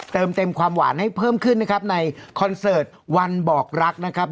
เติมเต็มความหวานให้เพิ่มขึ้นนะครับในคอนเสิร์ตวันบอกรักนะครับ